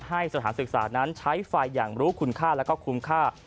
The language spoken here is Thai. ให้สถานศึกษานั้นใช้ไฟอย่างรู้คุณค่าและก็คุ้มค่า